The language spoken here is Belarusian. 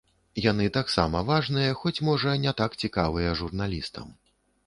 Яны таксама важныя, хоць, можа, не так цікавыя журналістам.